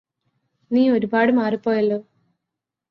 നീ ഒരുപാട് മാറിപോയല്ലോ